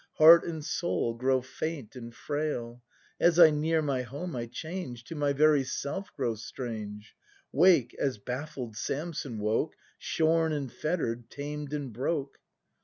Heart and soul grow faint and frail; As I near my home, I change, To my very self grow strange — Wake, as baffled Samson woke. Shorn and fetter'd, tamed and broke.